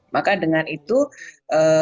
maka dengan itu kita